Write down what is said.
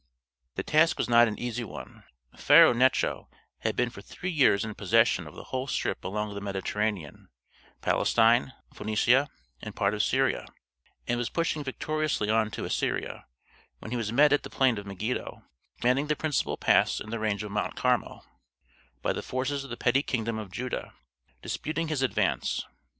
The task was not an easy one. Pharaoh Necho had been for three years in possession of the whole strip along the Mediterranean Palestine, Phoenicia, and part of Syria and was pushing victoriously on to Assyria, when he was met at the plain of Megiddo, commanding the principal pass in the range of Mount Carmel, by the forces of the petty kingdom of Judah, disputing his advance.